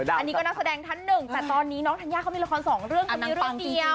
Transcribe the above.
อันนี้ก็นักแสดงท่านหนึ่งแต่ตอนนี้น้องธัญญาเขามีละครสองเรื่องอันนี้เรื่องเดียว